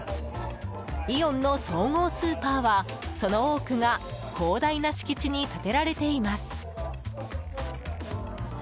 イオンの総合スーパーはその多くが広大な敷地に建てられています。